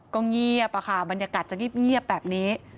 ก็เงียบอะค่ะบรรยากาศจะเงียบแบบนี้